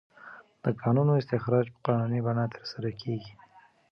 د کانونو استخراج په قانوني بڼه ترسره کیږي.